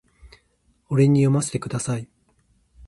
俺に読ませてください